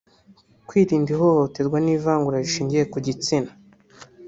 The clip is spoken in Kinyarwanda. kwirinda ihohoterwa n’ivangura rishingiye ku gitsina